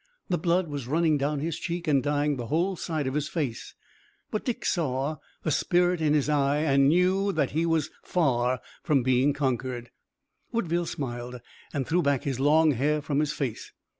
The blood was running down his cheek and dyeing the whole side of his face. But Dick saw the spirit in his eye and knew that he was far from conquered. Woodville smiled and threw back his long hair from his face.